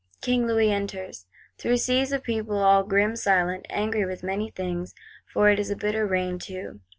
King Louis enters, through seas of people, all grim silent, angry with many things,—for it is a bitter rain too.